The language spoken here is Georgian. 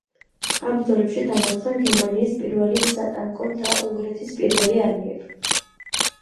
ამ ბრძოლებში დამარცხდნენ გერმანიის პირველი სატანკო და უნგრეთის პირველი არმიები.